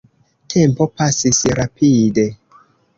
Tempo pasis rapide.